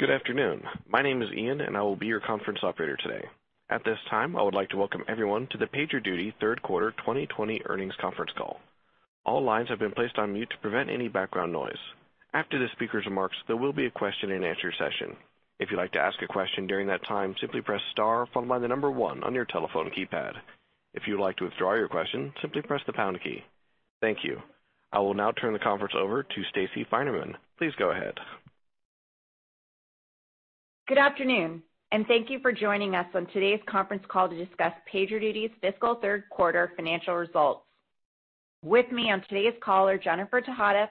Good afternoon. My name is Ian, and I will be your conference operator today. At this time, I would like to welcome everyone to the PagerDuty third quarter 2020 earnings conference call. All lines have been placed on mute to prevent any background noise. After the speaker's remarks, there will be a question and answer session. If you'd like to ask a question during that time, simply press star followed by the number one on your telephone keypad. If you'd like to withdraw your question, simply press the pound key. Thank you. I will now turn the conference over to Stacey Finerman. Please go ahead. Good afternoon, and thank you for joining us on today's conference call to discuss PagerDuty's fiscal third quarter financial results. With me on today's call are Jennifer Tejada,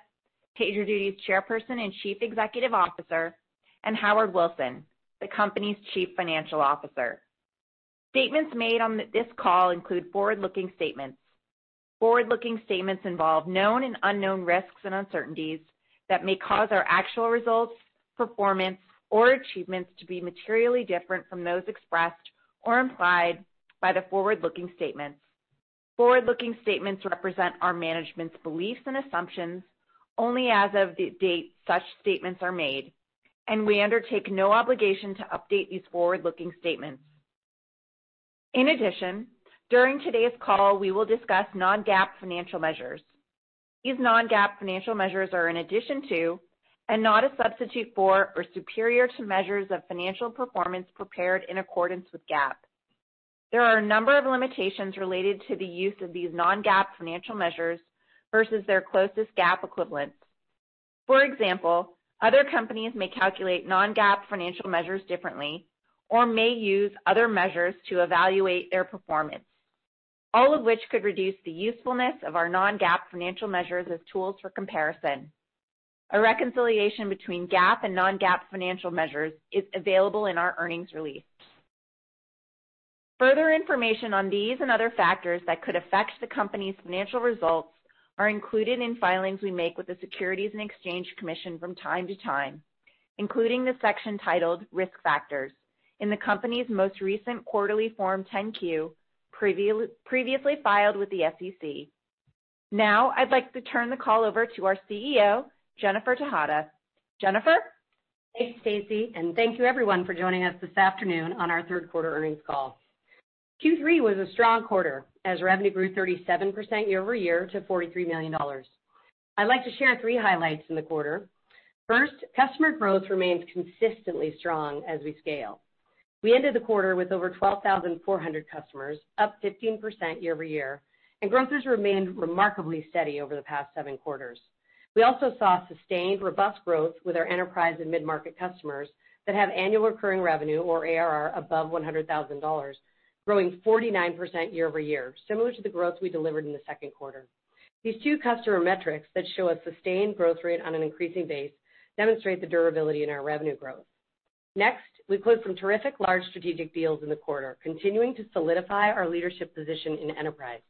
PagerDuty's Chairperson and Chief Executive Officer, and Howard Wilson, the company's Chief Financial Officer. Statements made on this call include forward-looking statements. Forward-looking statements involve known and unknown risks and uncertainties that may cause our actual results, performance, or achievements to be materially different from those expressed or implied by the forward-looking statements. Forward-looking statements represent our management's beliefs and assumptions only as of the date such statements are made, and we undertake no obligation to update these forward-looking statements. In addition, during today's call, we will discuss non-GAAP financial measures. These non-GAAP financial measures are in addition to, and not a substitute for, or superior to measures of financial performance prepared in accordance with GAAP. There are a number of limitations related to the use of these non-GAAP financial measures versus their closest GAAP equivalents. For example, other companies may calculate non-GAAP financial measures differently or may use other measures to evaluate their performance, all of which could reduce the usefulness of our non-GAAP financial measures as tools for comparison. A reconciliation between GAAP and non-GAAP financial measures is available in our earnings release. Further information on these and other factors that could affect the company's financial results are included in filings we make with the Securities and Exchange Commission from time to time, including the section titled Risk Factors in the company's most recent quarterly Form 10-Q previously filed with the SEC. I'd like to turn the call over to our CEO, Jennifer Tejada. Jennifer? Thanks, Stacey, and thank you everyone for joining us this afternoon on our third quarter earnings call. Q3 was a strong quarter as revenue grew 37% year-over-year to $43 million. I'd like to share three highlights in the quarter. First, customer growth remains consistently strong as we scale. We ended the quarter with over 12,400 customers, up 15% year-over-year, and growth has remained remarkably steady over the past seven quarters. We also saw sustained robust growth with our enterprise and mid-market customers that have annual recurring revenue or ARR above $100,000, growing 49% year-over-year, similar to the growth we delivered in the second quarter. These two customer metrics that show a sustained growth rate on an increasing base demonstrate the durability in our revenue growth. Next, we closed some terrific large strategic deals in the quarter, continuing to solidify our leadership position in enterprise.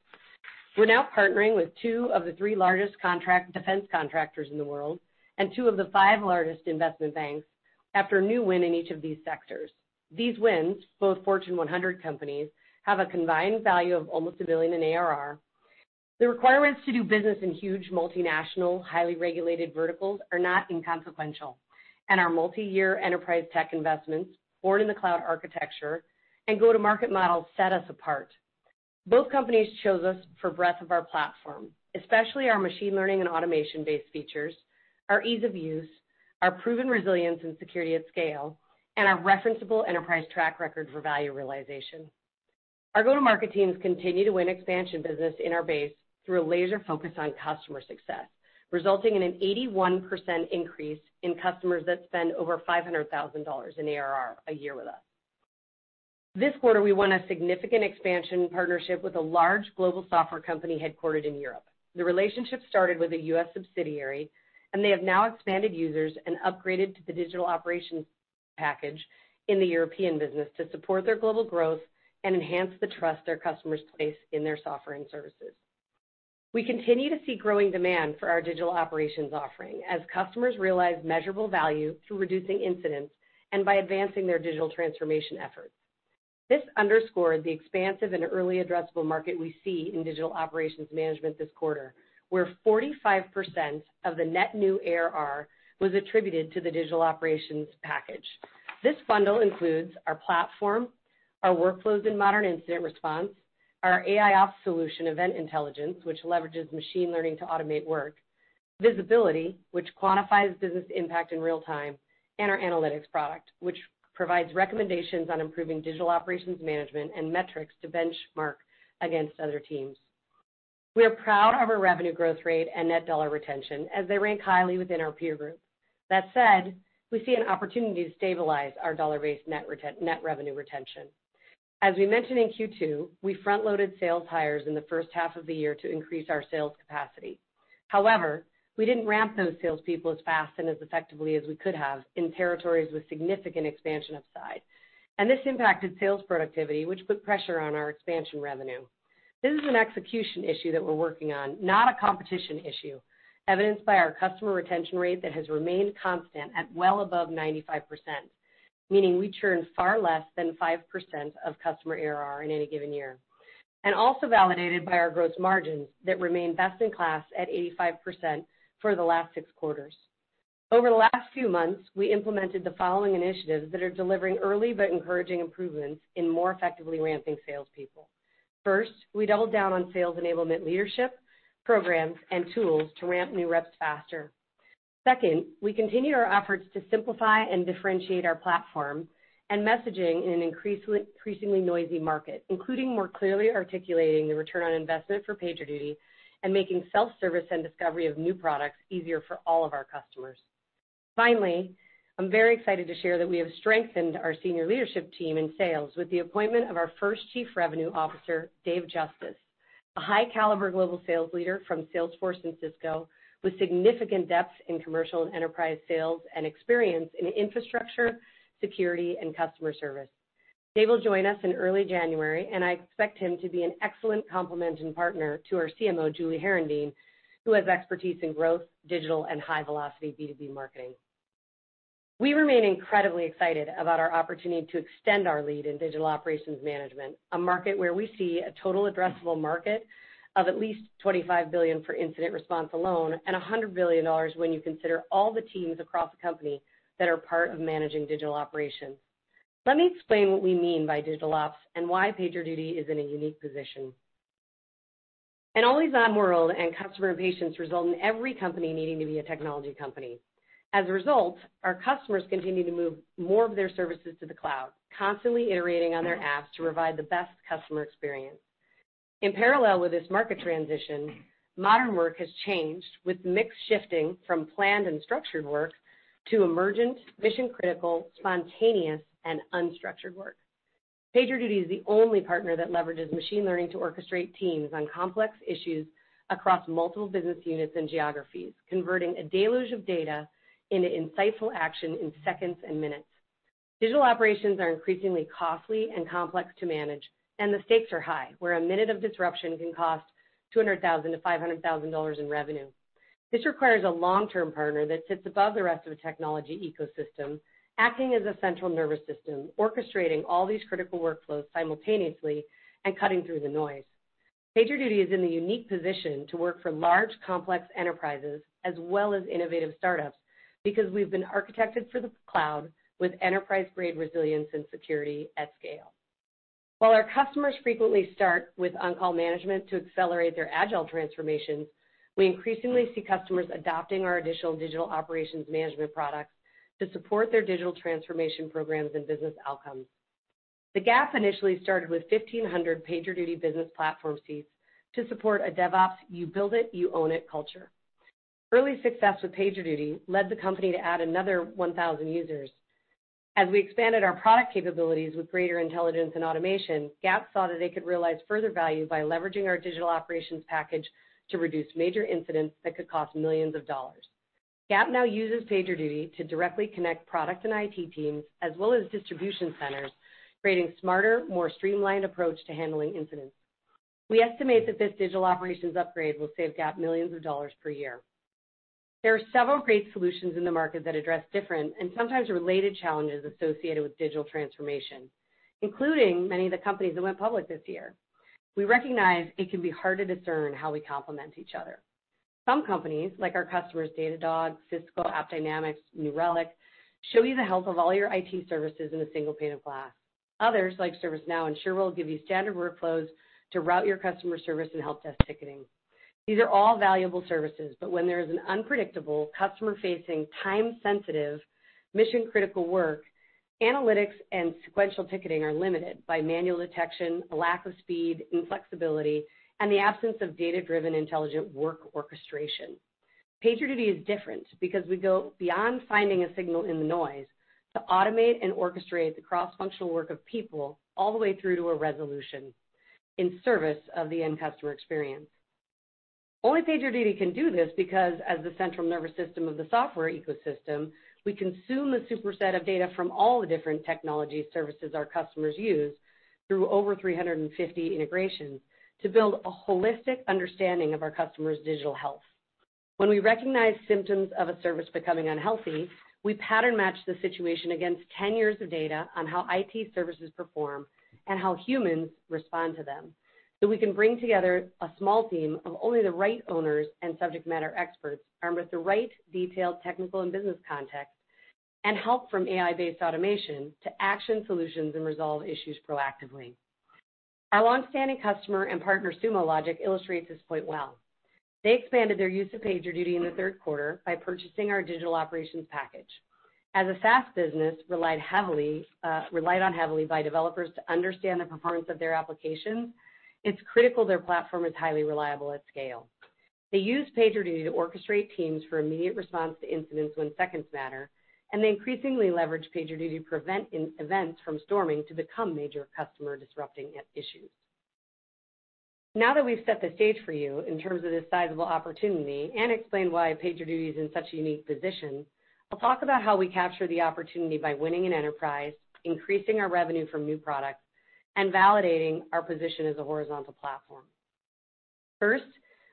We're now partnering with 2 of the 3 largest contract defense contractors in the world and 2 of the 5 largest investment banks after a new win in each of these sectors. These wins, both Fortune 100 companies, have a combined value of almost $1 billion in ARR. The requirements to do business in huge multinational, highly regulated verticals are not inconsequential, and our multi-year enterprise tech investments, born in the cloud architecture, and go-to-market models set us apart. Both companies chose us for breadth of our platform, especially our machine learning and automation-based features, our ease of use, our proven resilience and security at scale, and our referenceable enterprise track record for value realization. Our go-to-market teams continue to win expansion business in our base through a laser focus on customer success, resulting in an 81% increase in customers that spend over $500,000 in ARR a year with us. This quarter, we won a significant expansion partnership with a large global software company headquartered in Europe. The relationship started with a U.S. subsidiary, and they have now expanded users and upgraded to the digital operations package in the European business to support their global growth and enhance the trust their customers place in their software and services. We continue to see growing demand for our digital operations offering as customers realize measurable value through reducing incidents and by advancing their digital transformation efforts. This underscored the expansive and early addressable market we see in Digital Operations Management this quarter, where 45% of the net new ARR was attributed to the digital operations package. This bundle includes our platform, our workflows and Modern Incident Response, our AIOps solution, Event Intelligence, which leverages machine learning to automate work, visibility, which quantifies business impact in real time, and our analytics product, which provides recommendations on improving digital operations management and metrics to benchmark against other teams. We are proud of our revenue growth rate and net dollar retention as they rank highly within our peer group. That said, we see an opportunity to stabilize our dollar-based net retention. As we mentioned in Q2, we front-loaded sales hires in the first half of the year to increase our sales capacity. However, we didn't ramp those salespeople as fast and as effectively as we could have in territories with significant expansion upside, and this impacted sales productivity, which put pressure on our expansion revenue. This is an execution issue that we're working on, not a competition issue, evidenced by our customer retention rate that has remained constant at well above 95%.Meaning we churn far less than 5% of customer ARR in any given year, and also validated by our gross margins that remain best in class at 85% for the last 6 quarters. Over the last few months, we implemented the following initiatives that are delivering early but encouraging improvements in more effectively ramping salespeople. First, we doubled down on sales enablement leadership, programs, and tools to ramp new reps faster. Second, we continue our efforts to simplify and differentiate our platform and messaging in an increasingly noisy market, including more clearly articulating the return on investment for PagerDuty and making self-service and discovery of new products easier for all of our customers. I'm very excited to share that we have strengthened our senior leadership team in sales with the appointment of our first Chief Revenue Officer, Dave Justice, a high-caliber global sales leader from Salesforce and Cisco with significant depth in commercial and enterprise sales and experience in infrastructure, security, and customer service. Dave will join us in early January. I expect him to be an excellent complement and partner to our CMO, Julie Herendeen, who has expertise in growth, digital, and high-velocity B2B marketing. We remain incredibly excited about our opportunity to extend our lead in digital operations management, a market where we see a total addressable market of at least $25 billion for incident response alone and $100 billion when you consider all the teams across the company that are part of managing digital operations. Let me explain what we mean by digital ops and why PagerDuty is in a unique position. An always-on world and customer patience result in every company needing to be a technology company. As a result, our customers continue to move more of their services to the cloud, constantly iterating on their apps to provide the best customer experience. In parallel with this market transition, modern work has changed, with mix shifting from planned and structured work to emergent, mission-critical, spontaneous, and unstructured work. PagerDuty is the only partner that leverages machine learning to orchestrate teams on complex issues across multiple business units and geographies, converting a deluge of data into insightful action in seconds and minutes. Digital operations are increasingly costly and complex to manage, and the stakes are high, where a minute of disruption can cost $200,000-$500,000 in revenue. This requires a long-term partner that sits above the rest of the technology ecosystem, acting as a central nervous system, orchestrating all these critical workflows simultaneously and cutting through the noise. PagerDuty is in the unique position to work for large, complex enterprises as well as innovative startups because we've been architected for the cloud with enterprise-grade resilience and security at scale. While our customers frequently start with on-call management to accelerate their agile transformations, we increasingly see customers adopting our additional digital operations management products to support their digital transformation programs and business outcomes. The Gap initially started with 1,500 PagerDuty business platform seats to support a DevOps you build it, you own it culture. Early success with PagerDuty led the company to add another 1,000 users. As we expanded our product capabilities with greater intelligence and automation, Gap saw that they could realize further value by leveraging our digital operations package to reduce major incidents that could cost millions of dollars. Gap now uses PagerDuty to directly connect product and IT teams as well as distribution centers, creating smarter, more streamlined approach to handling incidents. We estimate that this digital operations upgrade will save Gap millions of dollars per year. There are several great solutions in the market that address different and sometimes related challenges associated with digital transformation, including many of the companies that went public this year. We recognize it can be hard to discern how we complement each other. Some companies, like our customers Datadog, Cisco, AppDynamics, New Relic, show you the health of all your IT services in a single pane of glass. Others, like ServiceNow and sure will give you standard workflows to route your customer service and help desk ticketing. These are all valuable services, when there is an unpredictable customer-facing, time-sensitive, mission-critical work, analytics and sequential ticketing are limited by manual detection, a lack of speed and flexibility, and the absence of data-driven intelligent work orchestration. PagerDuty is different because we go beyond finding a signal in the noise to automate and orchestrate the cross-functional work of people all the way through to a resolution in service of the end customer experience. Only PagerDuty can do this because, as the central nervous system of the software ecosystem, we consume a superset of data from all the different technology services our customers use through over 350 integrations to build a holistic understanding of our customers' digital health. When we recognize symptoms of a service becoming unhealthy, we pattern match the situation against 10 years of data on how IT services perform and how humans respond to them, so we can bring together a small team of only the right owners and subject matter experts armed with the right detailed technical and business context and help from AI-based automation to action solutions and resolve issues proactively. Our longstanding customer and partner, Sumo Logic, illustrates this point well. They expanded their use of PagerDuty in the third quarter by purchasing our digital operations package. As a SaaS business relied on heavily by developers to understand the performance of their applications, it's critical their platform is highly reliable at scale. They use PagerDuty to orchestrate teams for immediate response to incidents when seconds matter, and they increasingly leverage PagerDuty to prevent events from storming to become major customer-disrupting issues. Now that we've set the stage for you in terms of this sizable opportunity and explained why PagerDuty is in such a unique position, I'll talk about how we capture the opportunity by winning in enterprise, increasing our revenue from new products, and validating our position as a horizontal platform. First,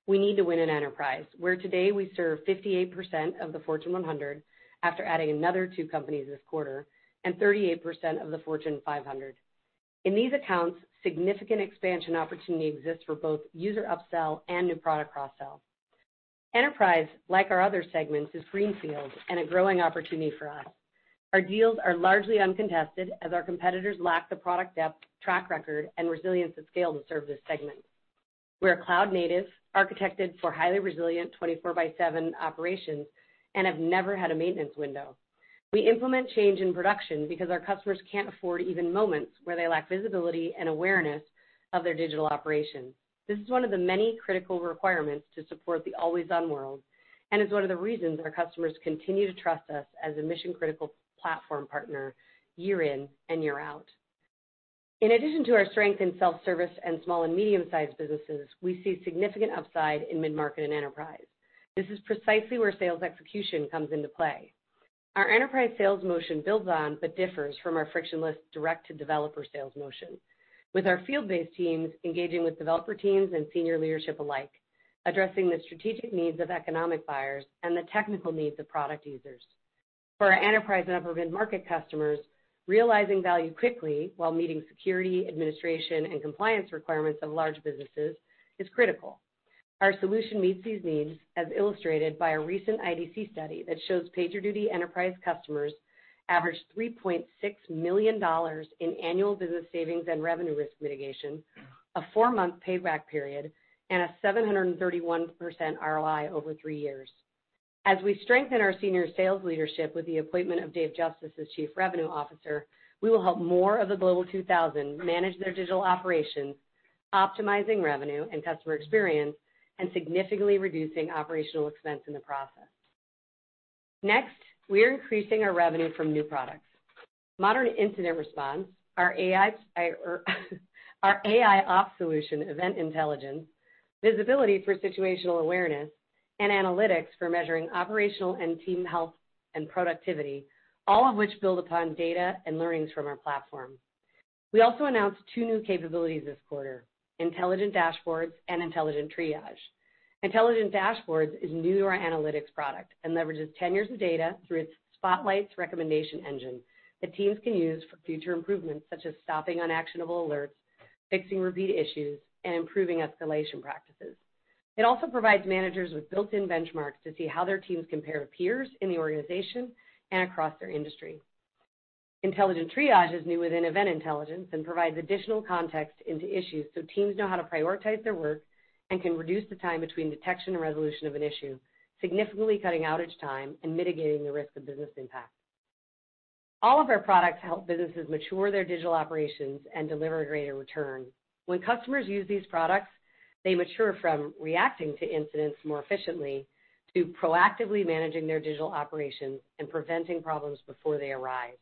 we need to win in enterprise where today we serve 58% of the Fortune 100 after adding another two companies this quarter and 38% of the Fortune 500. In these accounts, significant expansion opportunity exists for both user upsell and new product cross-sell. Enterprise, like our other segments, is greenfield and a growing opportunity for us. Our deals are largely uncontested as our competitors lack the product depth, track record, and resilience to scale to serve this segment. We're cloud-native, architected for highly resilient 24 by seven operations and have never had a maintenance window. We implement change in production because our customers can't afford even moments where they lack visibility and awareness of their digital operations. This is one of the many critical requirements to support the always-on world and is one of the reasons our customers continue to trust us as a mission-critical platform partner year in and year out. In addition to our strength in self-service and small and medium-sized businesses, we see significant upside in mid-market and enterprise. This is precisely where sales execution comes into play. Our enterprise sales motion builds on, but differs from our frictionless direct-to-developer sales motion, with our field-based teams engaging with developer teams and senior leadership alike, addressing the strategic needs of economic buyers and the technical needs of product users. For our enterprise and upper mid-market customers, realizing value quickly while meeting security, administration, and compliance requirements of large businesses is critical. Our solution meets these needs, as illustrated by a recent IDC study that shows PagerDuty enterprise customers averaged $3.6 million in annual business savings and revenue risk mitigation, a four-month payback period, and a 731% ROI over three years. As we strengthen our senior sales leadership with the appointment of Dave Justice as Chief Revenue Officer, we will help more of the Global 2000 manage their digital operations, optimizing revenue and customer experience, and significantly reducing operational expense in the process. Next, we are increasing our revenue from new products. Modern Incident Response, our AIOps solution, Event Intelligence, visibility for situational awareness, and analytics for measuring operational and team health and productivity, all of which build upon data and learnings from our platform. We also announced two new capabilities this quarter: Intelligent Dashboards and Intelligent Triage. Intelligent Dashboards is new to our Analytics product and leverages 10 years of data through its Spotlight Recommendations engine that teams can use for future improvements such as stopping unactionable alerts, fixing repeat issues, and improving escalation practices. It also provides managers with built-in benchmarks to see how their teams compare to peers in the organization and across their industry. Intelligent Triage is new within Event Intelligence and provides additional context into issues so teams know how to prioritize their work and can reduce the time between detection and resolution of an issue, significantly cutting outage time and mitigating the risk of business impact. All of our products help businesses mature their digital operations and deliver a greater return. When customers use these products, they mature from reacting to incidents more efficiently to proactively managing their digital operations and preventing problems before they arise.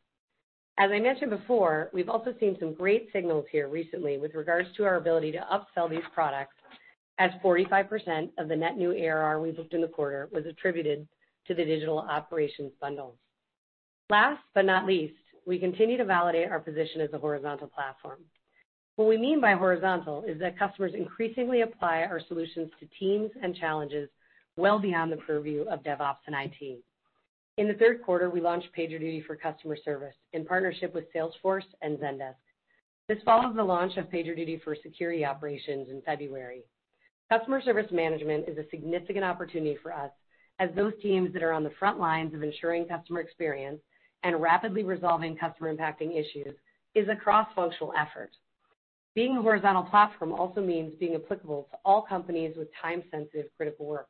As I mentioned before, we've also seen some great signals here recently with regards to our ability to upsell these products as 45% of the net new ARR we booked in the quarter was attributed to the digital operations bundles. Last but not least, we continue to validate our position as a horizontal platform. What we mean by horizontal is that customers increasingly apply our solutions to teams and challenges well beyond the purview of DevOps and IT. In the third quarter, we launched PagerDuty for Customer Service in partnership with Salesforce and Zendesk. This follows the launch of PagerDuty for Security Operations in February. Customer service management is a significant opportunity for us as those teams that are on the front lines of ensuring customer experience and rapidly resolving customer-impacting issues is a cross-functional effort. Being a horizontal platform also means being applicable to all companies with time-sensitive critical work.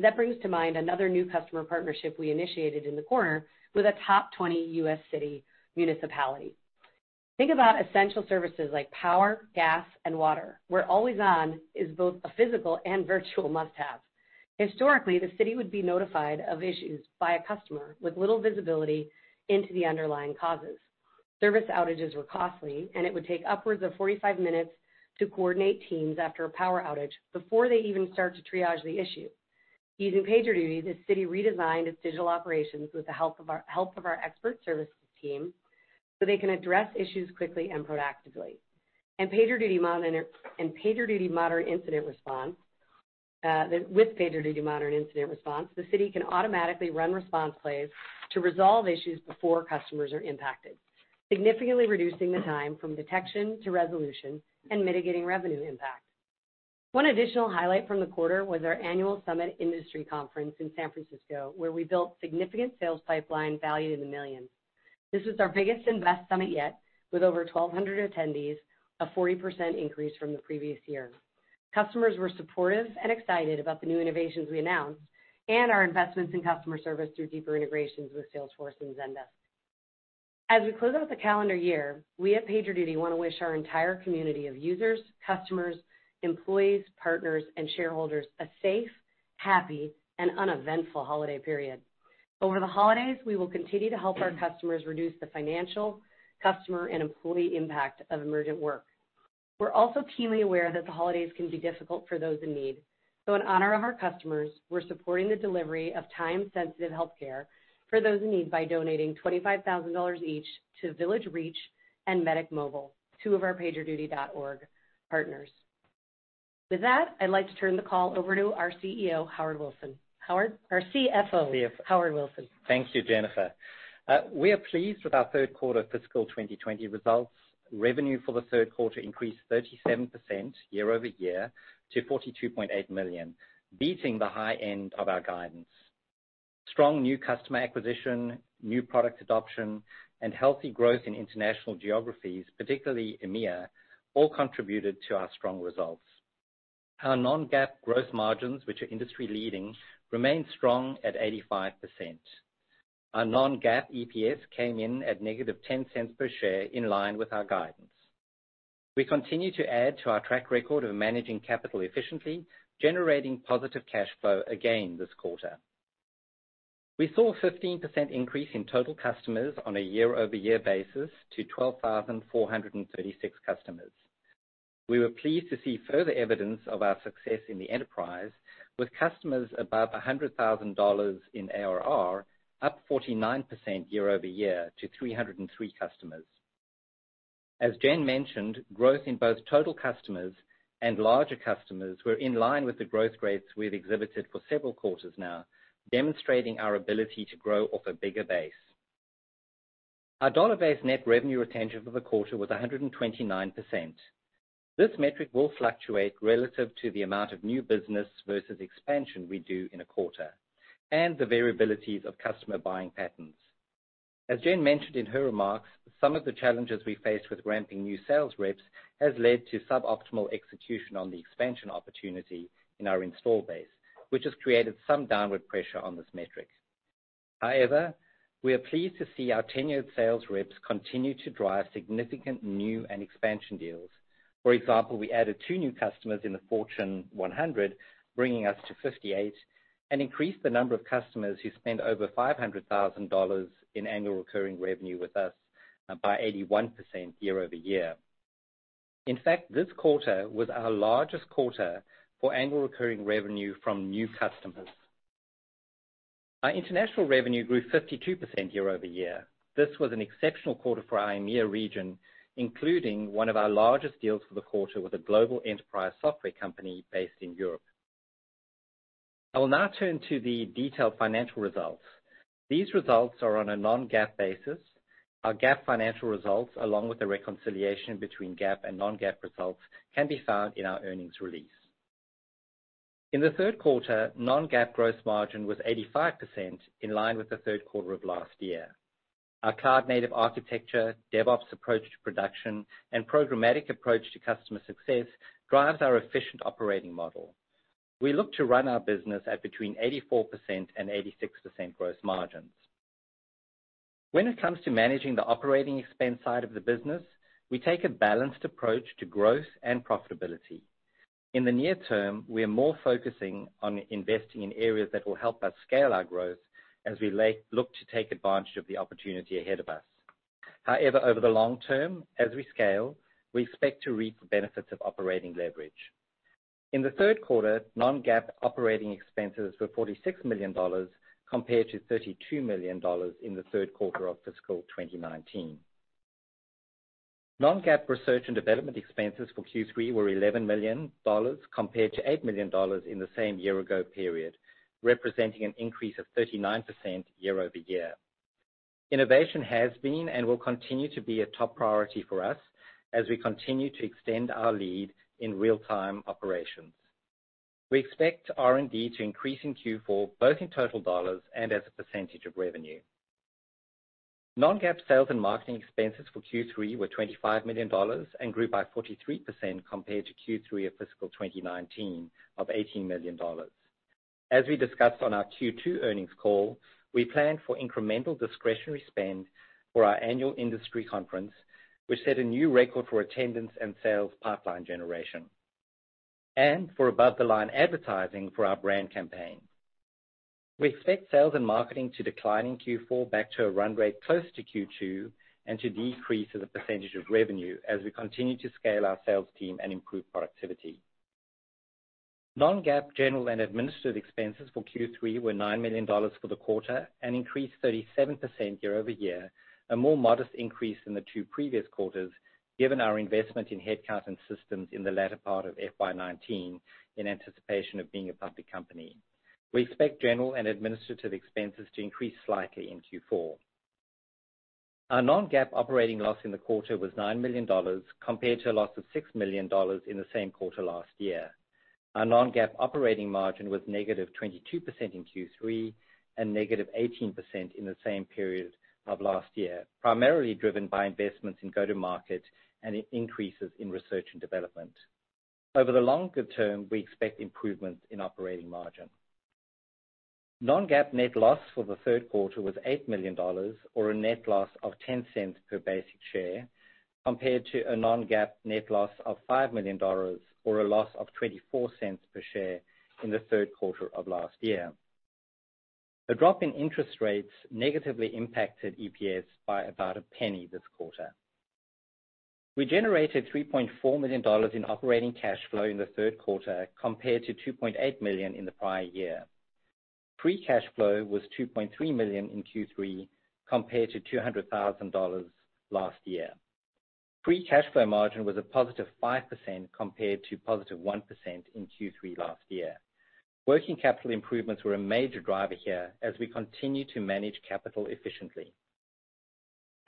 That brings to mind another new customer partnership we initiated in the quarter with a top 20 U.S. city municipality. Think about essential services like power, gas, and water, where always-on is both a physical and virtual must-have. Historically, the city would be notified of issues by a customer with little visibility into the underlying causes. Service outages were costly, and it would take upwards of 45 minutes to coordinate teams after a power outage before they even start to triage the issue. Using PagerDuty, the city redesigned its digital operations with the help of our expert services team so they can address issues quickly and proactively. With PagerDuty Modern Incident Response, the city can automatically run response plays to resolve issues before customers are impacted, significantly reducing the time from detection to resolution and mitigating revenue impact. One additional highlight from the quarter was our annual summit industry conference in San Francisco, where we built significant sales pipeline valued in the millions. This was our biggest and best summit yet, with over 1,200 attendees, a 40% increase from the previous year. Customers were supportive and excited about the new innovations we announced and our investments in customer service through deeper integrations with Salesforce and Zendesk. As we close out the calendar year, we at PagerDuty want to wish our entire community of users, customers, employees, partners, and shareholders a safe, happy, and uneventful holiday period. Over the holidays, we will continue to help our customers reduce the financial, customer, and employee impact of emergent work. We're also keenly aware that the holidays can be difficult for those in need. In honor of our customers, we're supporting the delivery of time-sensitive healthcare for those in need by donating $25,000 each to VillageReach and Medic Mobile, two of our PagerDuty.org partners. With that, I'd like to turn the call over to our CEO, Howard Wilson. Howard. CFO Howard Wilson. Thank you, Jennifer. We are pleased with our third quarter fiscal 2020 results. Revenue for the third quarter increased 37% year-over-year to $42.8 million, beating the high end of our guidance. Strong new customer acquisition, new product adoption, and healthy growth in international geographies, particularly EMEA, all contributed to our strong results. Our non-GAAP growth margins, which are industry leading, remain strong at 85%. Our non-GAAP EPS came in at -$0.10 per share, in line with our guidance. We continue to add to our track record of managing capital efficiently, generating positive cash flow again this quarter. We saw a 15% increase in total customers on a year-over-year basis to 12,436 customers. We were pleased to see further evidence of our success in the enterprise, with customers above $100,000 in ARR, up 49% year-over-year to 303 customers. As Jen mentioned, growth in both total customers and larger customers were in line with the growth rates we've exhibited for several quarters now, demonstrating our ability to grow off a bigger base. Our Dollar-Based Net Revenue Retention for the quarter was 129%. This metric will fluctuate relative to the amount of new business versus expansion we do in a quarter, and the variabilities of customer buying patterns. As Jen mentioned in her remarks, some of the challenges we faced with ramping new sales reps has led to suboptimal execution on the expansion opportunity in our install base, which has created some downward pressure on this metric. However, we are pleased to see our tenured sales reps continue to drive significant new and expansion deals. For example, we added two new customers in the Fortune 100, bringing us to 58, and increased the number of customers who spend over $500,000 in annual recurring revenue with us by 81% year-over-year. In fact, this quarter was our largest quarter for annual recurring revenue from new customers. Our international revenue grew 52% year-over-year. This was an exceptional quarter for our EMEA region, including one of our largest deals for the quarter with a global enterprise software company based in Europe. I will now turn to the detailed financial results. These results are on a non-GAAP basis. Our GAAP financial results, along with the reconciliation between GAAP and non-GAAP results, can be found in our earnings release. In the third quarter, non-GAAP gross margin was 85%, in line with the third quarter of last year. Our cloud native architecture, DevOps approach to production, and programmatic approach to customer success drives our efficient operating model. We look to run our business at between 84% and 86% gross margins. When it comes to managing the operating expense side of the business, we take a balanced approach to growth and profitability. In the near term, we are more focusing on investing in areas that will help us scale our growth as we look to take advantage of the opportunity ahead of us. Over the long term, as we scale, we expect to reap the benefits of operating leverage. In the third quarter, non-GAAP operating expenses were $46 million compared to $32 million in the third quarter of fiscal 2019. Non-GAAP research and development expenses for Q3 were $11 million compared to $8 million in the same year-ago period, representing an increase of 39% year-over-year. Innovation has been and will continue to be a top priority for us as we continue to extend our lead in real-time operations. We expect R&D to increase in Q4, both in total dollars and as a percentage of revenue. Non-GAAP sales and marketing expenses for Q3 were $25 million and grew by 43% compared to Q3 of fiscal 2019 of $18 million. As we discussed on our Q2 earnings call, we plan for incremental discretionary spend for our annual industry conference, which set a new record for attendance and sales pipeline generation, and for above-the-line advertising for our brand campaign. We expect sales and marketing to decline in Q4 back to a run rate close to Q2, and to decrease as a percentage of revenue as we continue to scale our sales team and improve productivity. Non-GAAP general and administrative expenses for Q3 were $9 million for the quarter and increased 37% year-over-year, a more modest increase than the two previous quarters, given our investment in headcount and systems in the latter part of FY 2019 in anticipation of being a public company. We expect general and administrative expenses to increase slightly in Q4. Our non-GAAP operating loss in the quarter was $9 million, compared to a loss of $6 million in the same quarter last year. Our non-GAAP operating margin was negative 22% in Q3 and negative 18% in the same period of last year, primarily driven by investments in go-to-market and increases in research and development. Over the longer term, we expect improvements in operating margin. Non-GAAP net loss for the third quarter was $8 million, or a net loss of $0.10 per basic share, compared to a non-GAAP net loss of $5 million, or a loss of $0.24 per share in the third quarter of last year. A drop in interest rates negatively impacted EPS by about $0.01 this quarter. We generated $3.4 million in operating cash flow in the third quarter, compared to $2.8 million in the prior year. Free cash flow was $2.3 million in Q3, compared to $200,000 last year. Free cash flow margin was a positive 5%, compared to positive 1% in Q3 last year. Working capital improvements were a major driver here as we continue to manage capital efficiently.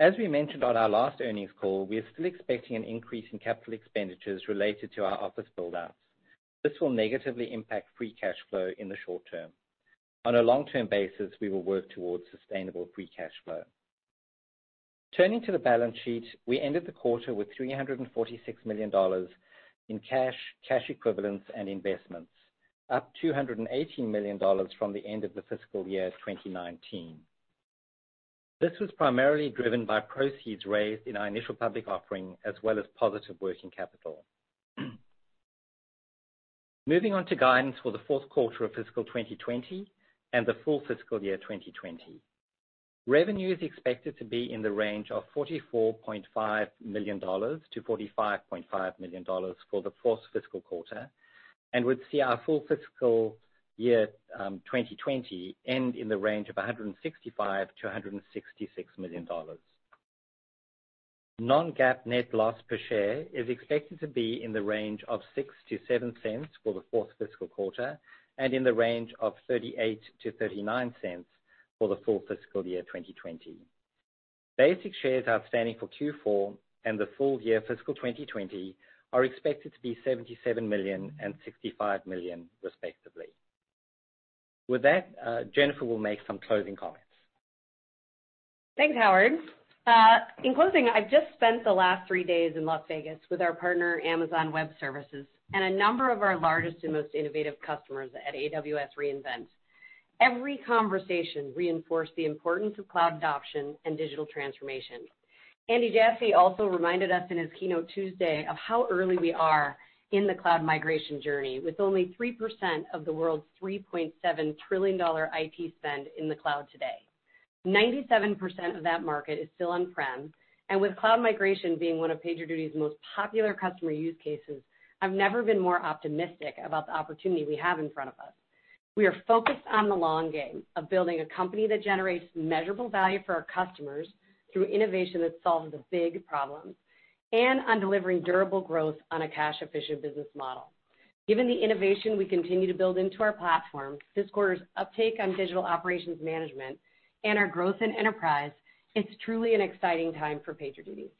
As we mentioned on our last earnings call, we are still expecting an increase in capital expenditures related to our office build-outs. This will negatively impact free cash flow in the short term. On a long-term basis, we will work towards sustainable free cash flow. Turning to the balance sheet, we ended the quarter with $346 million in cash equivalents, and investments, up $218 million from the end of the fiscal year 2019. This was primarily driven by proceeds raised in our initial public offering as well as positive working capital. Moving on to guidance for the fourth quarter of fiscal 2020 and the full fiscal year 2020. Revenue is expected to be in the range of $44.5 million-$45.5 million for the fourth fiscal quarter, and would see our full fiscal year 2020 end in the range of $165 million-$166 million. Non-GAAP net loss per share is expected to be in the range of $0.06-$0.07 for the fourth fiscal quarter, and in the range of $0.38-$0.39 for the full fiscal year 2020. Basic shares outstanding for Q4 and the full year fiscal 2020 are expected to be 77 million and 65 million respectively. With that, Jennifer will make some closing comments. Thanks, Howard. In closing, I've just spent the last three days in Las Vegas with our partner, Amazon Web Services, and a number of our largest and most innovative customers at AWS re:Invent. Every conversation reinforced the importance of cloud adoption and digital transformation. Andy Jassy also reminded us in his keynote Tuesday of how early we are in the cloud migration journey with only 3% of the world's $3.7 trillion IT spend in the cloud today. 97% of that market is still on-prem, with cloud migration being one of PagerDuty's most popular customer use cases, I've never been more optimistic about the opportunity we have in front of us. We are focused on the long game of building a company that generates measurable value for our customers through innovation that solves the big problems, and on delivering durable growth on a cash-efficient business model. Given the innovation we continue to build into our platform, this quarter's uptake on digital operations management, and our growth in enterprise, it's truly an exciting time for PagerDuty.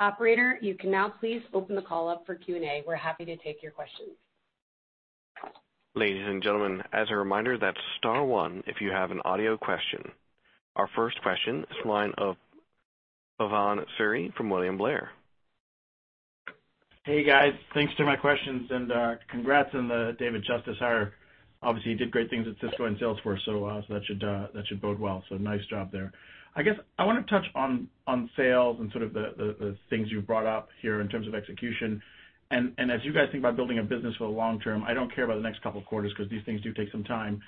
Operator, you can now please open the call up for Q&A. We're happy to take your questions. Ladies and gentlemen, as a reminder, that's star one if you have an audio question. Our first question is the line of Bhavan Suri from William Blair. Hey, guys. Thanks for my questions and congrats on the David Justice hire. Obviously, he did great things at Cisco and Salesforce, so that should bode well. Nice job there. I guess I want to touch on sales and sort of the things you've brought up here in terms of execution. As you guys think about building a business for the long term, I don't care about the next couple of quarters because these things do take some time.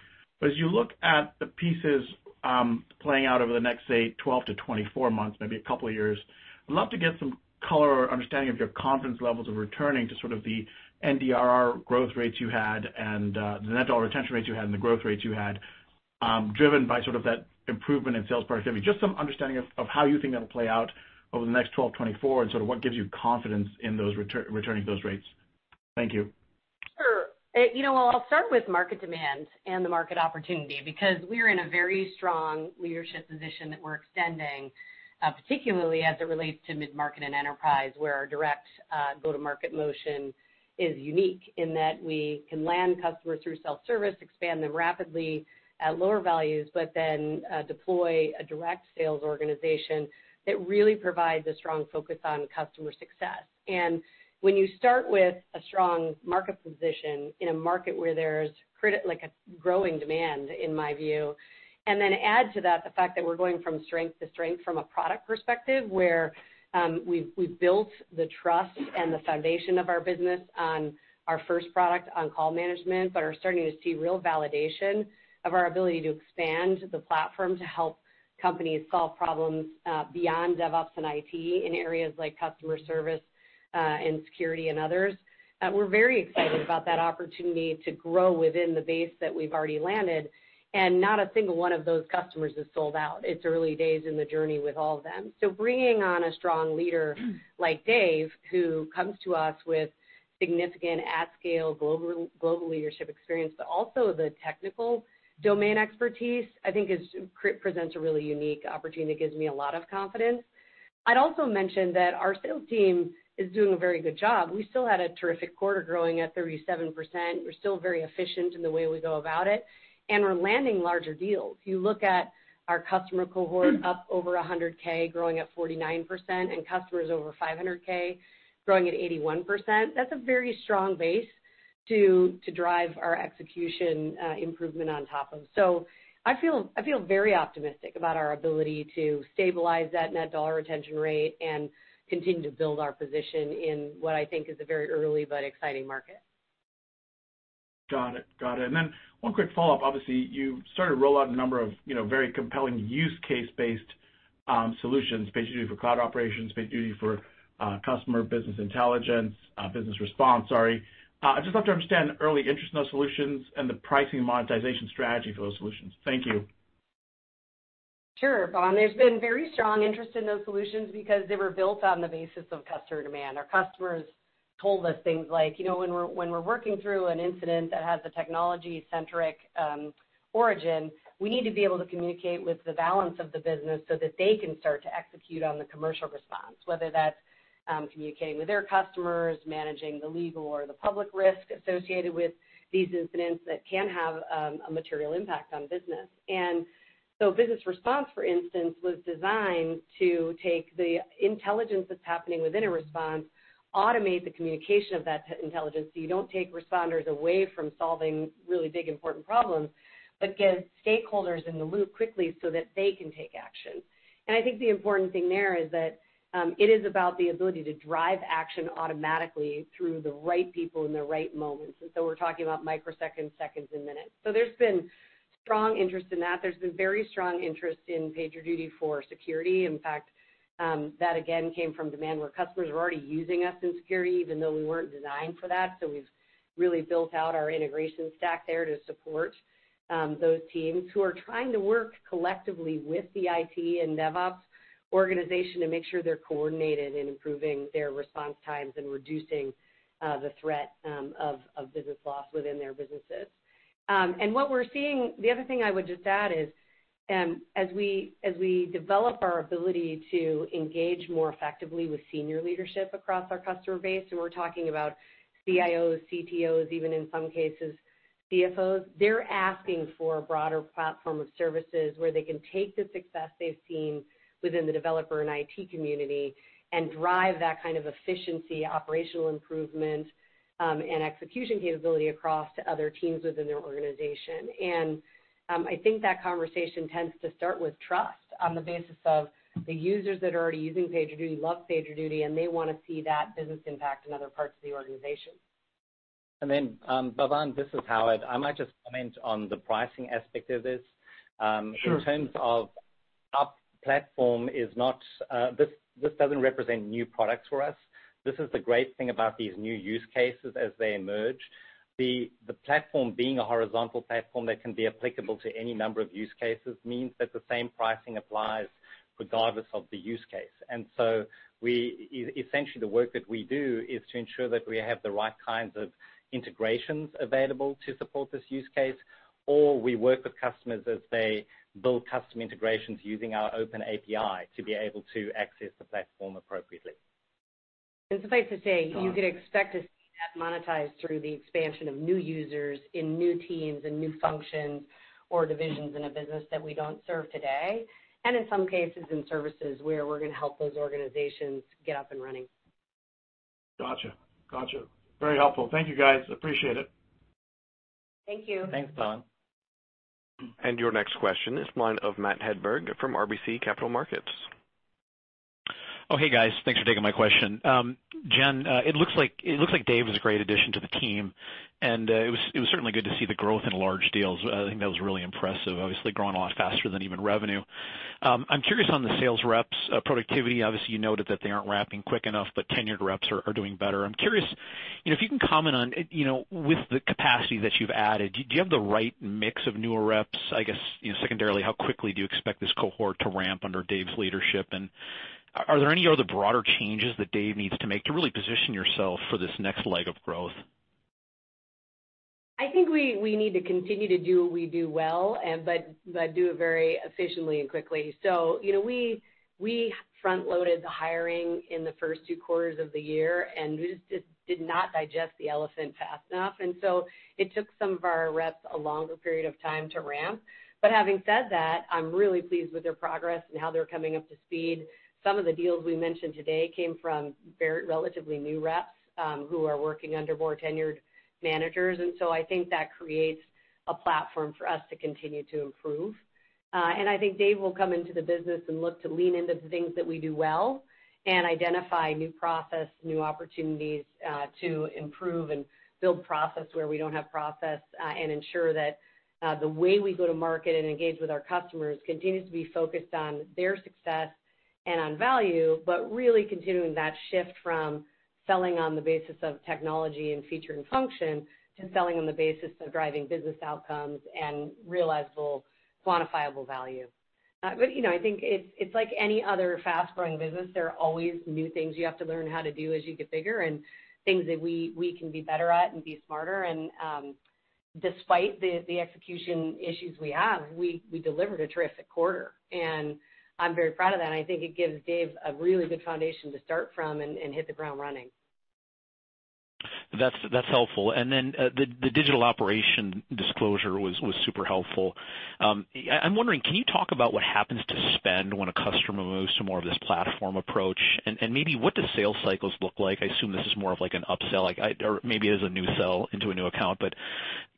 As you look at the pieces playing out over the next, say, 12-24 months, maybe a couple of years, I'd love to get some color or understanding of your confidence levels of returning to sort of the DBNRR growth rates you had and the net dollar retention rates you had and the growth rates you had, driven by sort of that improvement in sales productivity. Just some understanding of how you think that'll play out over the next 12, 24, and sort of what gives you confidence in returning those rates. Thank you. Sure. Well, I'll start with market demand and the market opportunity. We're in a very strong leadership position that we're extending, particularly as it relates to mid-market and enterprise, where our direct go-to-market motion is unique in that we can land customers through self-service, expand them rapidly at lower values, then deploy a direct sales organization that really provides a strong focus on customer success. When you start with a strong market position in a market where there's a growing demand, in my view, and then add to that the fact that we're going from strength to strength from a product perspective, where we've built the trust and the foundation of our business on our first product on call management, but are starting to see real validation of our ability to expand the platform to help companies solve problems beyond DevOps and IT in areas like customer service and security and others. We're very excited about that opportunity to grow within the base that we've already landed, and not a single one of those customers is sold out. It's early days in the journey with all of them. Bringing on a strong leader like Dave, who comes to us with significant at-scale global leadership experience, but also the technical domain expertise, I think presents a really unique opportunity. It gives me a lot of confidence. I'd also mention that our sales team is doing a very good job. We still had a terrific quarter growing at 37%. We're still very efficient in the way we go about it, and we're landing larger deals. If you look at our customer cohort up over $100K growing at 49%, and customers over $500K growing at 81%, that's a very strong base to drive our execution improvement on top of. I feel very optimistic about our ability to stabilize that net dollar retention rate and continue to build our position in what I think is a very early but exciting market. Then one quick follow-up. Obviously, you started to roll out a number of very compelling use case-based solutions, PagerDuty for Cloud Operations, PagerDuty for Customer Service, sorry. I'd just love to understand early interest in those solutions and the pricing and monetization strategy for those solutions. Thank you. xMatters, Bhavan. There's been very strong interest in those solutions because they were built on the basis of customer demand. Our customers told us things like, "When we're working through an incident that has a technology-centric origin, we need to be able to communicate with the balance of the business so that they can start to execute on the commercial response," whether that's communicating with their customers, managing the legal or the public risk associated with these incidents that can have a material impact on business. Business response, for instance, was designed to take the intelligence that's happening within a response, automate the communication of that intelligence, so you don't take responders away from solving really big, important problems, but get stakeholders in the loop quickly so that they can take action. I think the important thing there is that it is about the ability to drive action automatically through the right people in the right moments. We're talking about microseconds, seconds, and minutes. There's been strong interest in that. There's been very strong interest in PagerDuty for security. In fact, that again came from demand where customers were already using us in security even though we weren't designed for that. We've really built out our integration stack there to support those teams who are trying to work collectively with the IT and DevOps organization to make sure they're coordinated in improving their response times and reducing the threat of business loss within their businesses. The other thing I would just add is, as we develop our ability to engage more effectively with senior leadership across our customer base, we're talking about CIOs, CTOs, even in some cases, CFOs, they're asking for a broader platform of services where they can take the success they've seen within the developer and IT community and drive that kind of efficiency, operational improvement, and execution capability across to other teams within their organization. I think that conversation tends to start with trust on the basis of the users that are already using PagerDuty love PagerDuty, and they want to see that business impact in other parts of the organization. Bhavan, this is Howard. I might just comment on the pricing aspect of this. xMatters. In terms of our platform, this doesn't represent new products for us. This is the great thing about these new use cases as they emerge. The platform being a horizontal platform that can be applicable to any number of use cases means that the same pricing applies regardless of the use case. Essentially, the work that we do is to ensure that we have the right kinds of integrations available to support this use case, or we work with customers as they build custom integrations using our open API to be able to access the platform appropriately. Suffice to say, you could expect to see that monetized through the expansion of new users in new teams and new functions or divisions in a business that we don't serve today, and in some cases, in services where we're going to help those organizations get up and running. Got you. Very helpful. Thank you, guys. Appreciate it. Thank you. Thanks, Bhavan. Your next question is line of Matthew Hedberg from RBC Capital Markets. Oh, hey, guys. Thanks for taking my question. Jen, it looks like Dave is a great addition to the team, and it was certainly good to see the growth in large deals. I think that was really impressive. Growing a lot faster than even revenue. I'm curious on the sales reps productivity. You noted that they aren't ramping quick enough, but tenured reps are doing better. I'm curious if you can comment on with the capacity that you've added, do you have the right mix of newer reps? I guess, secondarily, how quickly do you expect this cohort to ramp under Dave's leadership? Are there any other broader changes that Dave needs to make to really position yourself for this next leg of growth? I think we need to continue to do what we do well, but do it very efficiently and quickly. We front-loaded the hiring in the first two quarters of the year, and we just did not digest the elephant fast enough. It took some of our reps a longer period of time to ramp. Having said that, I'm really pleased with their progress and how they're coming up to speed. Some of the deals we mentioned today came from relatively new reps who are working under more tenured managers, and so I think that creates a platform for us to continue to improve. I think Dave will come into the business and look to lean into the things that we do well and identify new process, new opportunities to improve and build process where we don't have process and ensure that the way we go to market and engage with our customers continues to be focused on their success and on value, really continuing that shift from selling on the basis of technology and feature and function to selling on the basis of driving business outcomes and realizable quantifiable value. I think it's like any other fast-growing business. There are always new things you have to learn how to do as you get bigger and things that we can be better at and be smarter. Despite the execution issues we have, we delivered a terrific quarter, and I'm very proud of that, and I think it gives Dave a really good foundation to start from and hit the ground running. That's helpful. Then the digital operation disclosure was super helpful. I'm wondering, can you talk about what happens to spend when a customer moves to more of this platform approach? Maybe what do sales cycles look like? I assume this is more of like an upsell, or maybe it is a new sell into a new account, but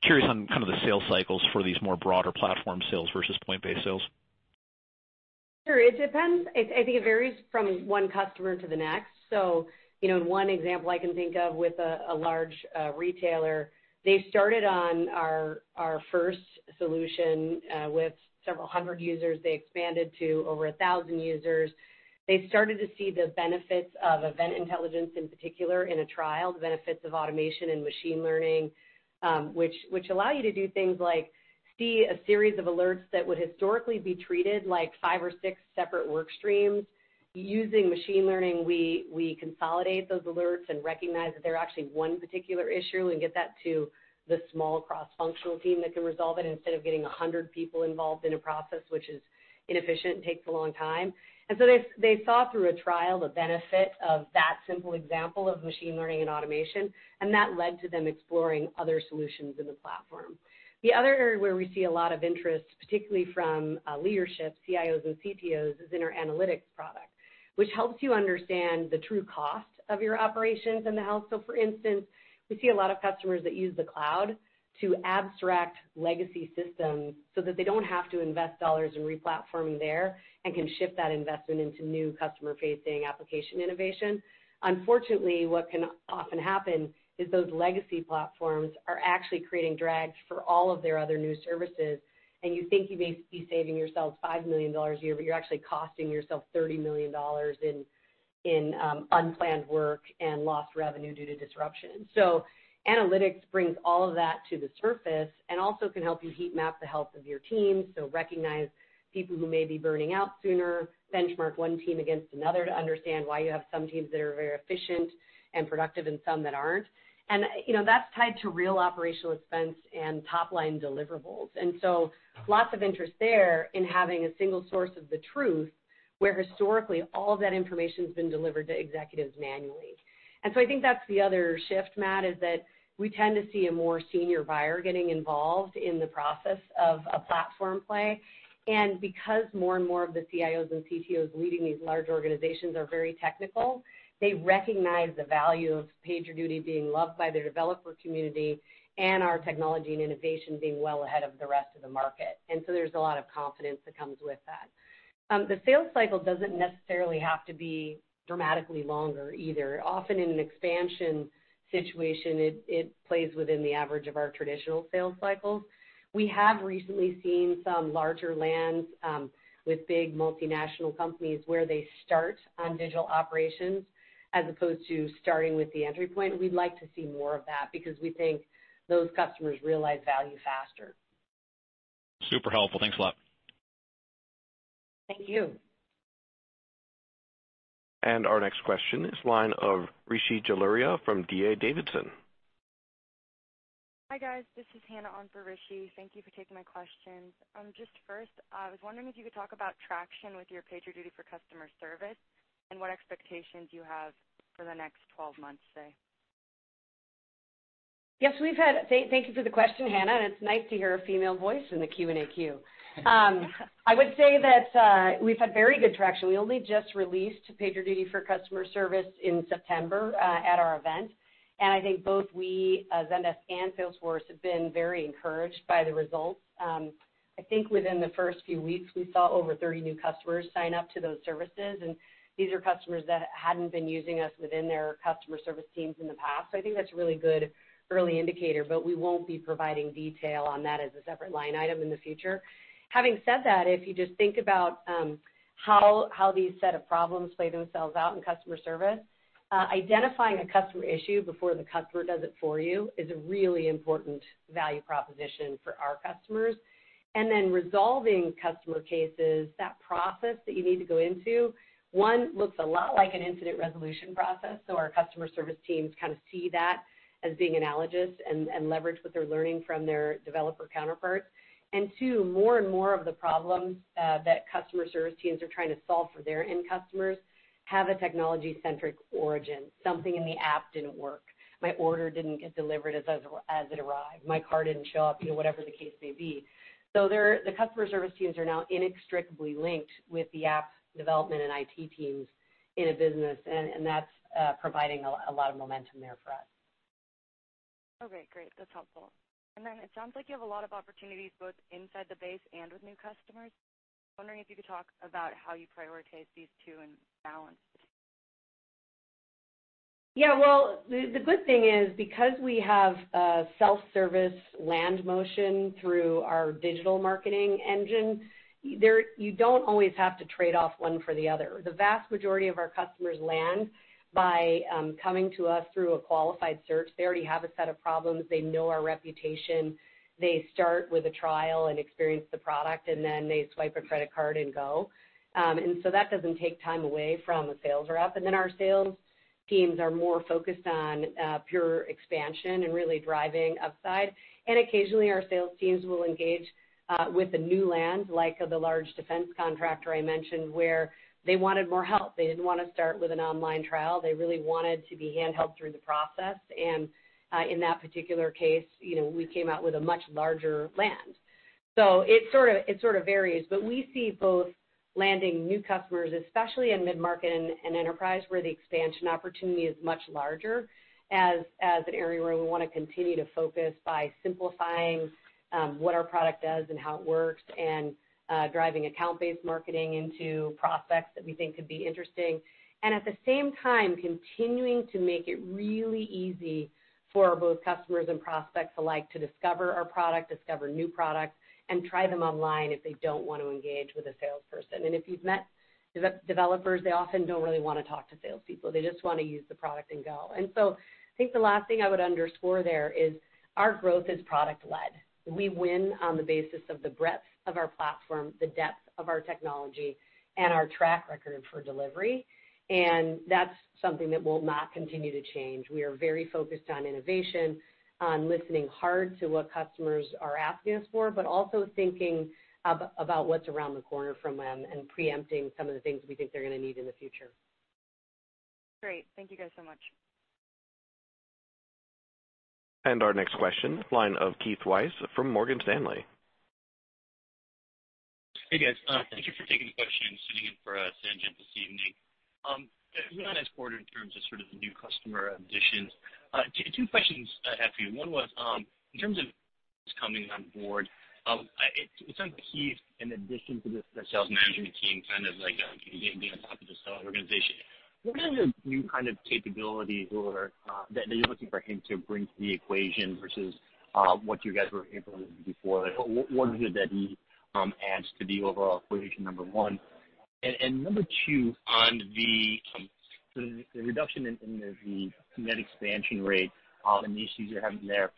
curious on kind of the sales cycles for these more broader platform sales versus point-based sales. Sure. It depends. I think it varies from one customer to the next. One example I can think of with a large retailer, they started on our first solution with several hundred users. They expanded to over 1,000 users. They started to see the benefits of Event Intelligence, in particular, in a trial, the benefits of automation and machine learning, which allow you to do things like see a series of alerts that would historically be treated like five or six separate work streams. Using machine learning, we consolidate those alerts and recognize that they're actually one particular issue and get that to the small cross-functional team that can resolve it, instead of getting 100 people involved in a process, which is inefficient and takes a long time. They saw through a trial the benefit of that simple example of machine learning and automation, and that led to them exploring other solutions in the platform. The other area where we see a lot of interest, particularly from leadership, CIOs, and CTOs, is in our Analytics product, which helps you understand the true cost of your operations in the house. For instance, we see a lot of customers that use the cloud to abstract legacy systems so that they don't have to invest dollars in re-platforming there and can shift that investment into new customer-facing application innovation. Unfortunately, what can often happen is those legacy platforms are actually creating drags for all of their other new services, and you think you may be saving yourself $5 million a year, but you're actually costing yourself $30 million in unplanned work and lost revenue due to disruption. Analytics brings all of that to the surface and also can help you heat map the health of your team. Recognize people who may be burning out sooner, benchmark one team against another to understand why you have some teams that are very efficient and productive and some that aren't. That's tied to real operational expense and top-line deliverables. Lots of interest there in having a single source of the truth, where historically, all that information's been delivered to executives manually. I think that's the other shift, Matt, is that we tend to see a more senior buyer getting involved in the process of a platform play. Because more and more of the CIOs and CTOs leading these large organizations are very technical, they recognize the value of PagerDuty being loved by their developer community and our technology and innovation being well ahead of the rest of the market. There's a lot of confidence that comes with that. The sales cycle doesn't necessarily have to be dramatically longer either. Often in an expansion situation, it plays within the average of our traditional sales cycles. We have recently seen some larger lands with big multinational companies where they start on digital operations as opposed to starting with the entry point. We'd like to see more of that because we think those customers realize value faster. Super helpful. Thanks a lot. Thank you. Our next question is line of Rishi Jaluria from D.A. Davidson. Hi, guys. This is Hannah on for Rishi. Thank you for taking my questions. Just first, I was wondering if you could talk about traction with your PagerDuty for Customer Service and what expectations you have for the next 12 months, say. Yes. Thank you for the question, Hannah, and it's nice to hear a female voice in the Q&A queue. I would say that we've had very good traction. We only just released PagerDuty for Customer Service in September at our event. I think both we, Zendesk, and Salesforce have been very encouraged by the results. I think within the first few weeks, we saw over 30 new customers sign up to those services. These are customers that hadn't been using us within their customer service teams in the past. I think that's a really good early indicator, but we won't be providing detail on that as a separate line item in the future. Having said that, if you just think about how these set of problems play themselves out in customer service, identifying a customer issue before the customer does it for you is a really important value proposition for our customers. Resolving customer cases, that process that you need to go into, one, looks a lot like an incident resolution process, so our customer service teams kind of see that as being analogous and leverage what they're learning from their developer counterparts. Two, more and more of the problems that customer service teams are trying to solve for their end customers have a technology-centric origin. Something in the app didn't work. My order didn't get delivered as it arrived. My car didn't show up, whatever the case may be. The customer service teams are now inextricably linked with the app development and IT teams in a business, and that's providing a lot of momentum there for us. Okay, great. That's helpful. Then it sounds like you have a lot of opportunities both inside the base and with new customers. Wondering if you could talk about how you prioritize these two and balance? Well, the good thing is, because we have a self-service land motion through our digital marketing engine, you don't always have to trade off one for the other. The vast majority of our customers land by coming to us through a qualified search. They already have a set of problems. They know our reputation. They start with a trial and experience the product, and then they swipe a credit card and go. That doesn't take time away from a sales rep. Then our sales teams are more focused on pure expansion and really driving upside. Occasionally, our sales teams will engage with a new land, like the large defense contractor I mentioned, where they wanted more help. They didn't want to start with an online trial. They really wanted to be hand-held through the process. In that particular case, we came out with a much larger land. It sort of varies, but we see both landing new customers, especially in mid-market and enterprise, where the expansion opportunity is much larger, as an area where we want to continue to focus by simplifying what our product does and how it works, and driving account-based marketing into prospects that we think could be interesting. At the same time, continuing to make it really easy for both customers and prospects alike to discover our product, discover new products, and try them online if they don't want to engage with a salesperson. If you've met developers, they often don't really want to talk to salespeople. They just want to use the product and go. I think the last thing I would underscore there is our growth is product led. We win on the basis of the breadth of our platform, the depth of our technology, and our track record for delivery. That's something that will not continue to change. We are very focused on innovation, on listening hard to what customers are asking us for, but also thinking about what's around the corner from them and preempting some of the things we think they're going to need in the future. Great. Thank you guys so much. Our next question, line of Keith Weiss from Morgan Stanley. Hey, guys. Thank you for taking the question, sitting in for Sanj this evening. I was going to ask quarter in terms of sort of the new customer additions. Two questions I have for you. One was, in terms of coming on board, it sounds like he's an addition to the sales management team, kind of like being on top of the sales organization. What are the new kind of capabilities that you're looking for him to bring to the equation versus what you guys were implementing before? What is it that he adds to the overall equation, number one? Number two, on the sort of the reduction in the net expansion rate and the issues you're having there,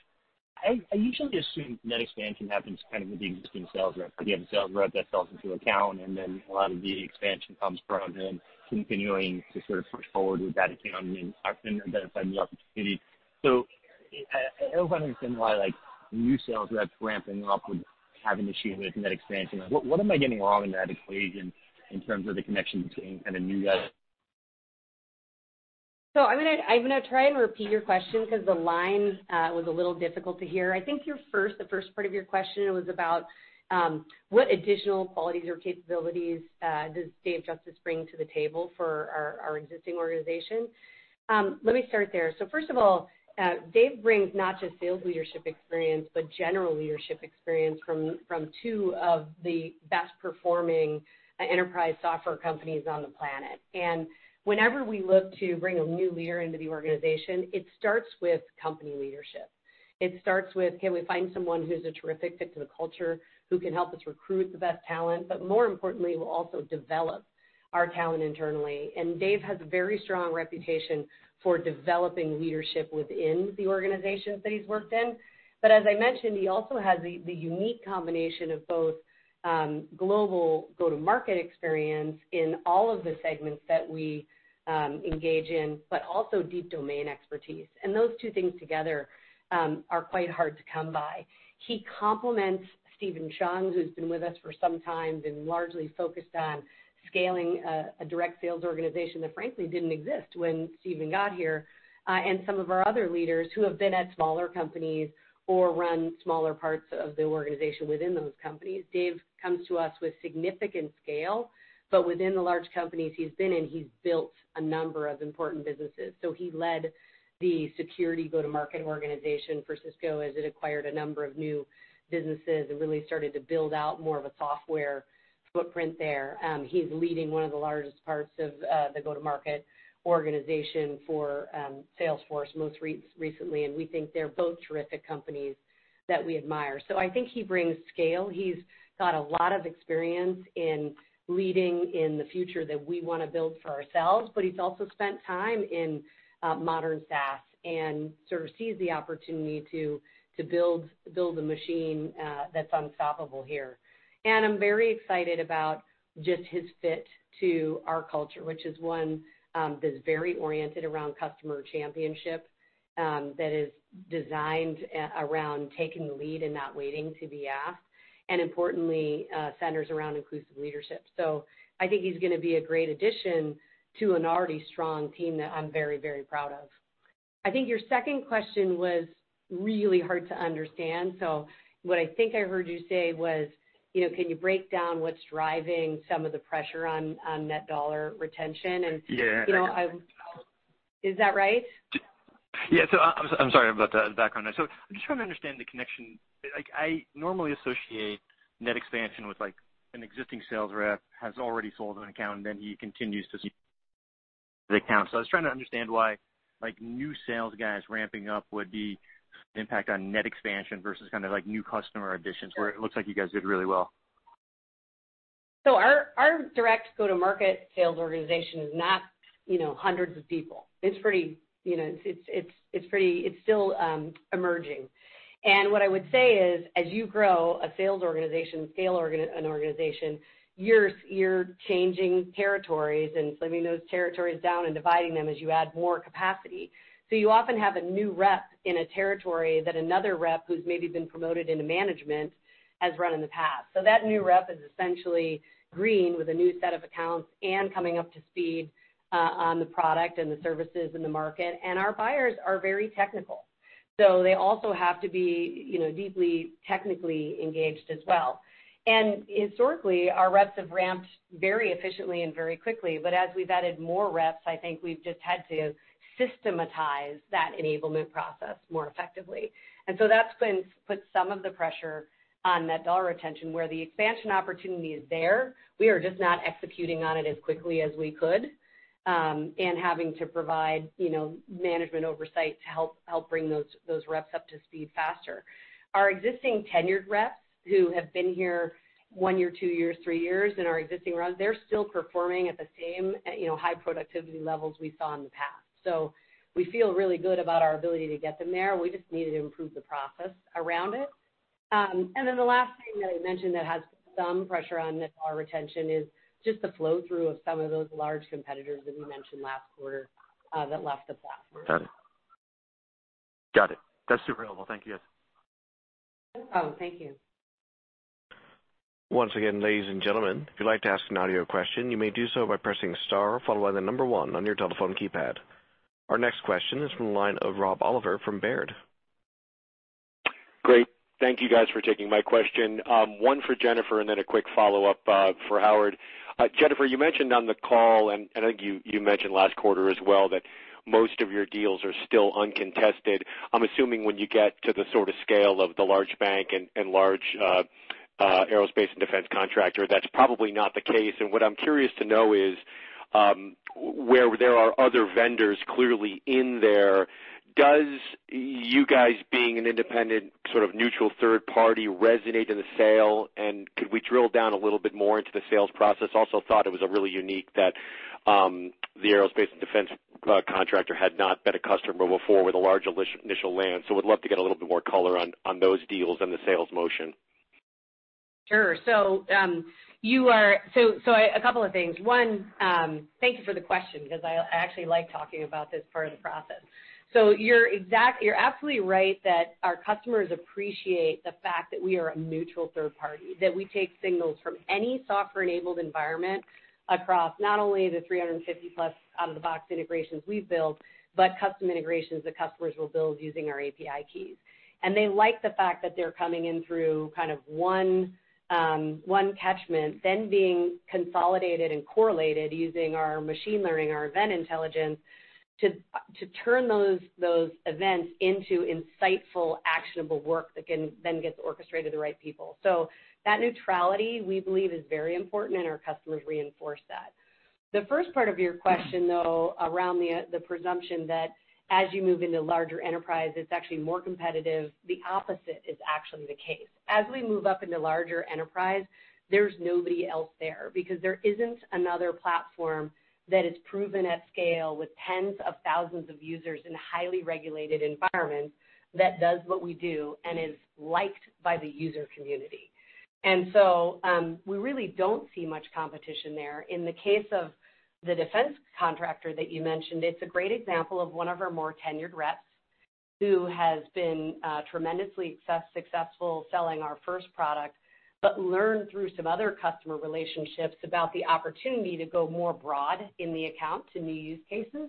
I usually assume net expansion happens kind of with the existing sales rep. You have a sales rep that sells into an account, a lot of the expansion comes from him continuing to sort of push forward with that account and identify new opportunities. I don't understand why new sales reps ramping up would have an issue with net expansion. What am I getting wrong in that equation in terms of the connection between kind of new reps? I'm going to try and repeat your question because the line was a little difficult to hear. I think the first part of your question was about what additional qualities or capabilities does Dave Justice bring to the table for our existing organization? Let me start there. First of all, Dave brings not just sales leadership experience, but general leadership experience from two of the best performing enterprise software companies on the planet. Whenever we look to bring a new leader into the organization, it starts with company leadership. It starts with, can we find someone who's a terrific fit to the culture, who can help us recruit the best talent, but more importantly, will also develop our talent internally. Dave has a very strong reputation for developing leadership within the organizations that he's worked in. As I mentioned, he also has the unique combination of both global go-to-market experience in all of the segments that we engage in, but also deep domain expertise. Those two things together are quite hard to come by. He complements Steven Chung, who's been with us for some time and largely focused on scaling a direct sales organization that frankly didn't exist when Steven got here, and some of our other leaders who have been at smaller companies or run smaller parts of the organization within those companies. Dave comes to us with significant scale, but within the large companies he's been in, he's built a number of important businesses. He led the security go-to-market organization for Cisco as it acquired a number of new businesses and really started to build out more of a software footprint there. He's leading one of the largest parts of the go-to-market organization for Salesforce most recently, and we think they're both terrific companies that we admire. I think he brings scale. He's got a lot of experience in leading in the future that we want to build for ourselves, but he's also spent time in modern SaaS and sort of sees the opportunity to build a machine that's unstoppable here. I'm very excited about just his fit to our culture, which is one that is very oriented around customer championship, that is designed around taking the lead and not waiting to be asked, and importantly, centers around inclusive leadership. I think he's going to be a great addition to an already strong team that I'm very, very proud of. I think your second question was really hard to understand. What I think I heard you say was, can you break down what's driving some of the pressure on net dollar retention? Yeah. Is that right? Yeah. I'm sorry about that background noise. I'm just trying to understand the connection. I normally associate net expansion with, like, an existing sales rep has already sold an account, and then he continues to the account. I was trying to understand why new sales guys ramping up would impact net expansion versus kind of new customer additions, where it looks like you guys did really well. Our direct go-to-market sales organization is not hundreds of people. It's still emerging. What I would say is, as you grow a sales organization, scale an organization, you're changing territories and slimming those territories down and dividing them as you add more capacity. You often have a new rep in a territory that another rep who's maybe been promoted into management has run in the past. That new rep is essentially green with a new set of accounts and coming up to speed on the product and the services in the market. Our buyers are very technical, so they also have to be deeply technically engaged as well. Historically, our reps have ramped very efficiently and very quickly. As we've added more reps, I think we've just had to systematize that enablement process more effectively. That's put some of the pressure on net dollar retention. Where the expansion opportunity is there, we are just not executing on it as quickly as we could, and having to provide management oversight to help bring those reps up to speed faster. Our existing tenured reps who have been here one year, two years, three years, in our existing rounds, they're still performing at the same high productivity levels we saw in the past. We feel really good about our ability to get them there. We just needed to improve the process around it. The last thing that I mentioned that has some pressure on net dollar retention is just the flow-through of some of those large competitors that we mentioned last quarter that left the platform. Got it. That's super helpful. Thank you, guys. No problem. Thank you. Once again, ladies and gentlemen, if you'd like to ask an audio question, you may do so by pressing star followed by the number one on your telephone keypad. Our next question is from the line of Rob Oliver from Baird. Great. Thank you guys for taking my question. One for Jennifer and then a quick follow-up for Howard. Jennifer, you mentioned on the call, and I think you mentioned last quarter as well, that most of your deals are still uncontested. I'm assuming when you get to the sort of scale of the large bank and large aerospace and defense contractor, that's probably not the case. What I'm curious to know is, where there are other vendors clearly in there, does you guys being an independent, sort of neutral third party resonate in the sale? Could we drill down a little bit more into the sales process? Also thought it was really unique that the aerospace and defense contractor had not been a customer before with a large initial land. Would love to get a little bit more color on those deals and the sales motion. Sure. A couple of things. One, thank you for the question because I actually like talking about this part of the process. You're absolutely right that our customers appreciate the fact that we are a neutral third party, that we take signals from any software-enabled environment across not only the 350-plus out-of-the-box integrations we've built, but custom integrations that customers will build using our API keys. They like the fact that they're coming in through kind of one catchment, then being consolidated and correlated using our machine learning, our Event Intelligence, to turn those events into insightful, actionable work that can then get orchestrated to the right people. That neutrality, we believe, is very important, and our customers reinforce that. The first part of your question, though, around the presumption that as you move into larger enterprise, it's actually more competitive. The opposite is actually the case. As we move up into larger enterprise, there's nobody else there because there isn't another platform that is proven at scale with tens of thousands of users in highly regulated environments that does what we do and is liked by the user community. We really don't see much competition there. In the case of the defense contractor that you mentioned, it's a great example of one of our more tenured reps who has been tremendously successful selling our first product, but learned through some other customer relationships about the opportunity to go more broad in the account to new use cases,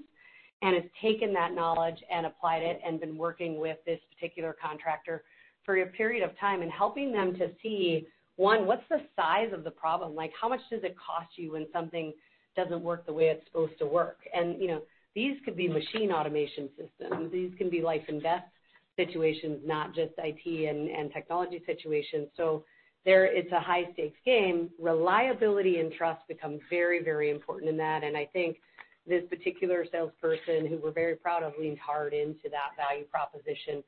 and has taken that knowledge and applied it and been working with this particular contractor for a period of time and helping them to see, one, what's the size of the problem? How much does it cost you when something doesn't work the way it's supposed to work? These could be machine automation systems. These can be life and death situations, not just IT and technology situations. There it's a high-stakes game. Reliability and trust become very important in that, and I think this particular salesperson, who we're very proud of, leaned hard into that value proposition.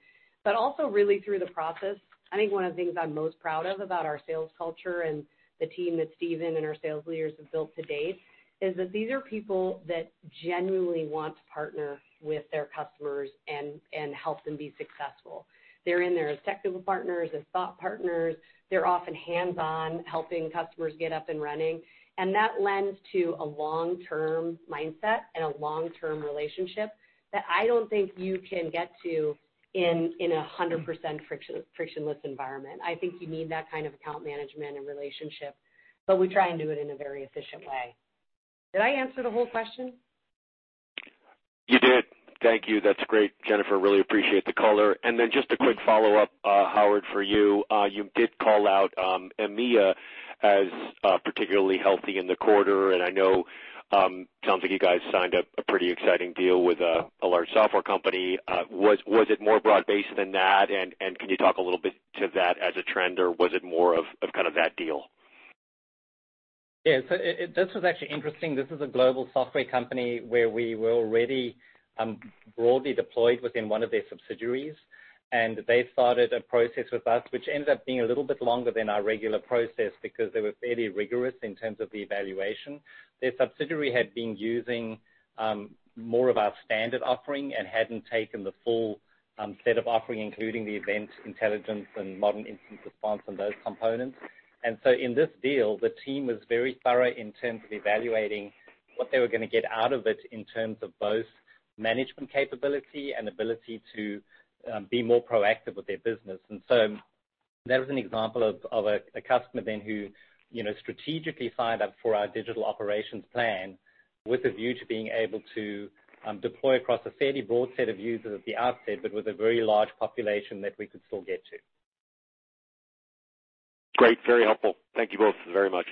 Also really through the process, I think one of the things I'm most proud of about our sales culture and the team that Steven and our sales leaders have built to date is that these are people that genuinely want to partner with their customers and help them be successful. They're in there as technical partners, as thought partners. They're often hands-on, helping customers get up and running. That lends to a long-term mindset and a long-term relationship that I don't think you can get to in 100% frictionless environment. I think you need that kind of account management and relationship, but we try and do it in a very efficient way. Did I answer the whole question? You did. Thank you. That's great, Jennifer. Really appreciate the color. Then just a quick follow-up, Howard, for you. You did call out EMEA as particularly healthy in the quarter, and I know, sounds like you guys signed a pretty exciting deal with a large software company. Was it more broad-based than that? Can you talk a little bit to that as a trend, or was it more of kind of that deal? This was actually interesting. This is a global software company where we were already broadly deployed within one of their subsidiaries, and they started a process with us, which ended up being a little bit longer than our regular process because they were fairly rigorous in terms of the evaluation. Their subsidiary had been using more of our standard offering and hadn't taken the full set of offering, including the Event Intelligence and PagerDuty Modern Incident Response and those components. In this deal, the team was very thorough in terms of evaluating what they were going to get out of it in terms of both management capability and ability to be more proactive with their business. There is an example of a customer then who strategically signed up for our digital operations plan with a view to being able to deploy across a fairly broad set of users at the outset, but with a very large population that we could still get to. Great. Very helpful. Thank you both very much.